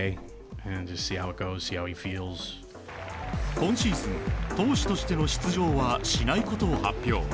今シーズン、投手としての出場はしないことを発表。